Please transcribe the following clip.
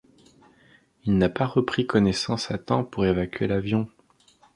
Il n'a pas repris connaissance à temps pour évacuer l'avion.